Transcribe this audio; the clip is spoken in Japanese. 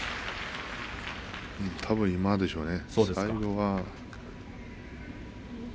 たぶん、今でしょうね。